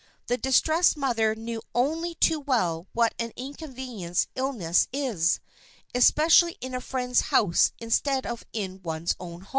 The distressed mother knew only too well what an inconvenience illness is,—especially in a friend's house instead of in one's own home.